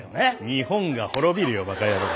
日本が滅びるよバカヤロウ。